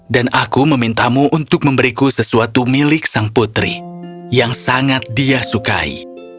dan aku memintamu untuk memberiku sesuatu milik sang putri yang sangat dia sukai